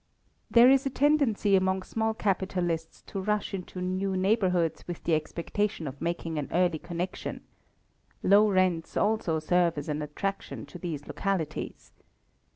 There is a tendency among small capitalists to rush into new neighbourhoods with the expectation of making an early connection. Low rents also serve as an attraction to these localities.